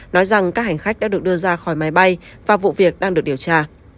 nói rằng các hành khách đã được đưa ra khỏi máy bay và vụ việc đang được điều tra